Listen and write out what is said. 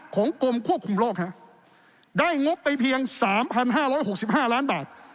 ของกรมควบคุมโลกฮะได้งบไปเพียงสามพันห้าร้อยหกสิบห้าร้านบาท